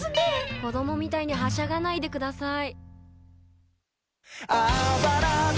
子供みたいにはしゃがないでください。